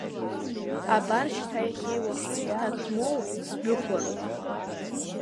Абар шьҭа иахьеи уахеи аҭак ҳмоур, сдәықәлароуп.